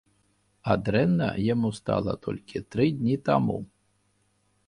А дрэнна яму стала толькі тры дні таму.